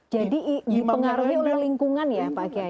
jadi pengaruhi oleh lingkungan ya pak akyah